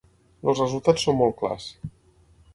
Els resultats són molt clars.